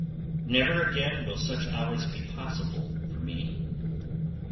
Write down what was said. Never again will such hours be possible for me.